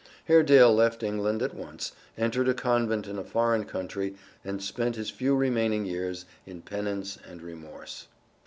Haredale left England at once, entered a convent in a foreign country and spent his few remaining years in penance and remorse.